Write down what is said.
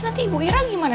nanti ibu ira gimana